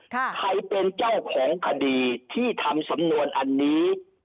ใครเป็นเจ้าของคดีที่ทำสำนวนอันนี้